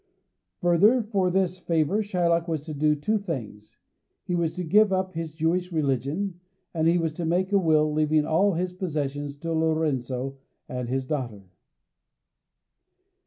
Further, for this favour Shylock was to do two things: he was to give up his Jewish religion, and he was to make a will, leaving all his possessions to Lorenzo and his daughter.